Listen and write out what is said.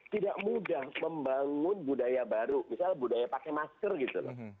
tidak mudah membangun budaya baru misalnya budaya pakai masker gitu loh